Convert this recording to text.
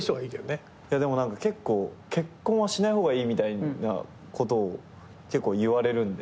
でも何か結婚はしない方がいいみたいなことを結構言われるんで大人の人に。